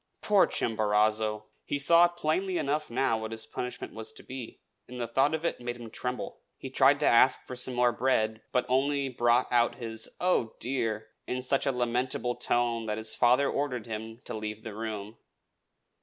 Poor Chimborazo! He saw plainly enough now what his punishment was to be; and the thought of it made him tremble. He tried to ask for some more bread, but only brought out his "Oh, dear!" in such a lamentable tone that his father ordered him to leave the room.